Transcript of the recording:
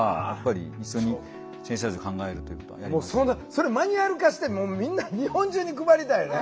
それマニュアル化してみんな日本中に配りたいよね。